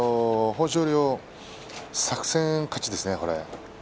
豊昇龍の作戦勝ちですね